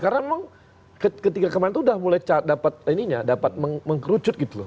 karena memang ketika kemarin itu sudah mulai dapat mengkerucut gitu loh